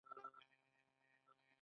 د باران سره د خوييدلو نسبت